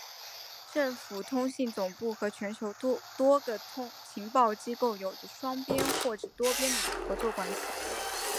政府通信总部和全球多个情报机构有着双边或是多边的合作关系。